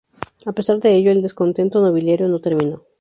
A pesar de ello, el descontento nobiliario no terminó.